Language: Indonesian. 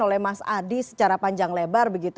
oleh mas adi secara panjang lebar begitu